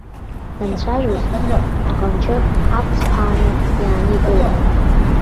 Данцәажәоз, аҟамчы аавҵԥааны иааникылон.